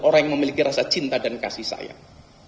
orang yang memiliki rasa cinta dan kasih sayang